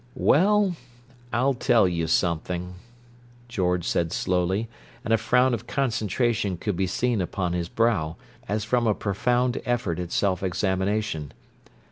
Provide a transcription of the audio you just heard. "Well, I'll tell you something," George said slowly; and a frown of concentration could be seen upon his brow, as from a profound effort at self examination.